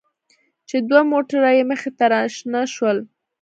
چې دوه موټره يې مخې ته راشنه شول.